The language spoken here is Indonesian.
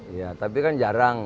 iya tapi kan jarang